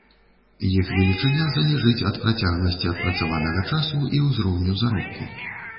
Іх велічыня залежыць ад працягласці адпрацаванага часу і ўзроўню заробку.